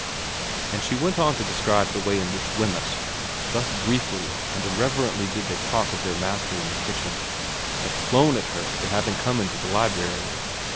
And she went on to describe the way in which Wemyss thus briefly and irreverently did they talk of their master in the kitchen had flown at her for having come into the library.